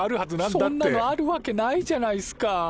そんなのあるわけないじゃないっすか。